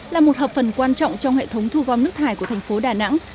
là một hợp phần quan trọng trong hệ thống thu gom nước thải của tp đà nẵng